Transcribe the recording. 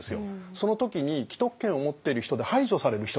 その時に既得権を持ってる人で排除される人がいるんですよ。